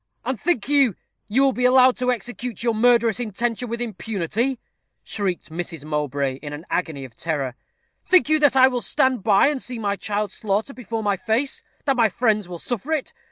"And think you, you will be allowed to execute your murderous intention with impunity?" shrieked Mrs. Mowbray, in an agony of terror. "Think you that I will stand by and see my child slaughtered before my face; that my friends will suffer it?